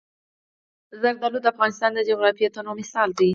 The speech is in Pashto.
زردالو د افغانستان د جغرافیوي تنوع مثال دی.